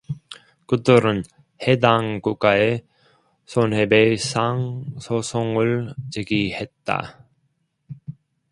그들은 해당 국가에 손해배상 소송을 제기했다.